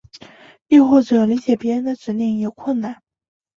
又或者理解别人的指令有困难。